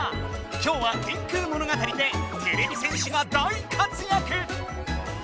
今日は電空物語でてれび戦士が大活やく！